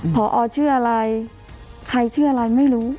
พอชื่ออะไรใครชื่ออะไรไม่รู้